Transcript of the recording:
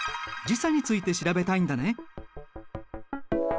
時差について調べたいんだね。